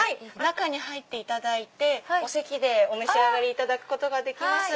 中に入っていただいて席でお召し上がりいただくことができます。